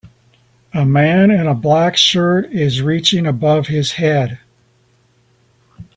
A man in a black shirt is reaching above his head.